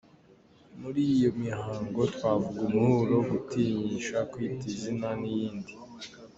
Muri iyo mihango twavuga Umuhuro, gutinyisha, kwita izina n’iyindi.